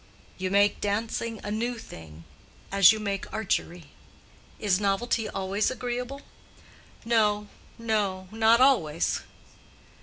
"You make dancing a new thing, as you make archery." "Is novelty always agreeable?" "No, no—not always."